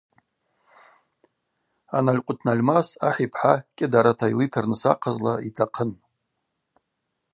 Аналькъвытнальмас ахӏ йпхӏа Кӏьыдарата йлитырныс ахъазла йтахъын.